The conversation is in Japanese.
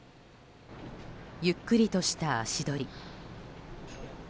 ゆっくりとした足取り。